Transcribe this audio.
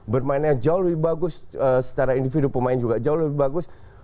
bermainnya jauh lebih bagus secara individu pemain juga jauh lebih bagus